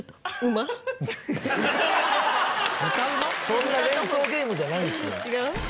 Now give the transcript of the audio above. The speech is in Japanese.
そんな連想ゲームじゃないんですよ。